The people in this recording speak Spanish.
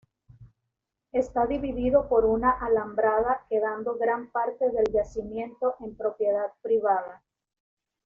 Está dividido por una alambrada quedando gran parte del yacimiento en propiedad privada